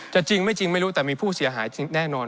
จริงไม่จริงไม่รู้แต่มีผู้เสียหายแน่นอน